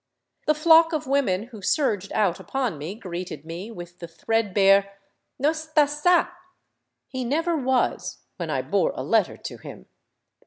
The flock of women who surged out upon me greeted me with the threadbare " No *sta *ca !" He never I was — when I bore a letter to him.